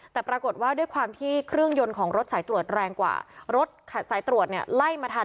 แต่ปรากฏว่าด้วยความที่เครื่องยนต์ของรถสายตรวจแรงกว่ารถสายตรวจเนี่ยไล่มาทัน